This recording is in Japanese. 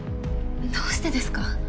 どうしてですか？